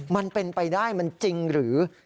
มันเป็นไปได้มันจริงหรือ